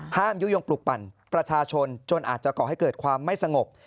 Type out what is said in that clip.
ยุโยงปลูกปั่นประชาชนจนอาจจะก่อให้เกิดความไม่สงบ